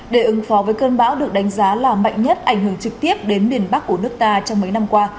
để ứng phó với cơn bão được đánh giá là mạnh nhất ảnh hưởng trực tiếp đến miền bắc của nước ta trong mấy năm qua